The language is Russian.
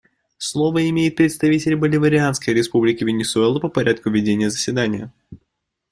Слово имеет представитель Боливарианской Республики Венесуэла по порядку ведения заседания.